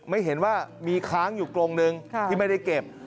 ไม่เห็นว่ามีค้างอยู่กรงหนึ่งที่ไม่ได้เก็บ